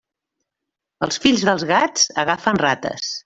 Els fills dels gats agafen rates.